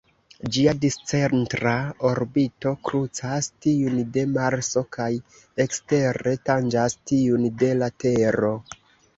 Ĝia discentra orbito krucas tiun de Marso kaj ekstere tanĝas tiun de la Tero.